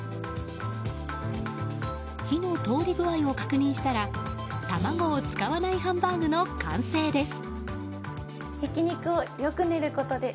火の通り具合を確認したら卵を使わないハンバーグの完成です。